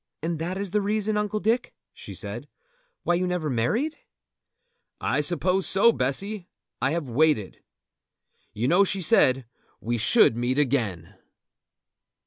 "And that is the reason, Uncle Dick," she said, "why you never married?" "I suppose so, Bessy. I have waited. You know she said we should meet again!"